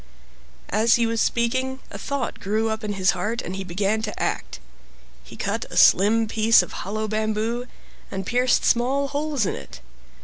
As he was speaking a thought grew up in his heart, and he began to act. He cut a slim piece of hollow bamboo, and pierced small holes in it.